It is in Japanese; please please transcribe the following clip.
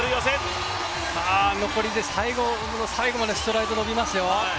最後までストライド伸びますよ。